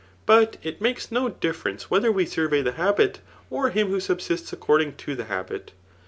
But it makes no difference whether we survey thtf habit, or him who subsists accord ing to the habit.